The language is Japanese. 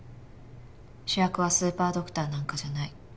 主役はスーパードクターなんかじゃない。